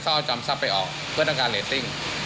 เขาเอาจอมทรัพย์ไปออกเพื่อต้องการเรตติ้ง